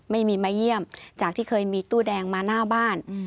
ไม่มีมาเยี่ยมจากที่เคยมีตู้แดงมาหน้าบ้าน